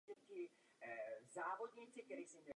Rozpočtová politika v tom hraje klíčovou úlohu.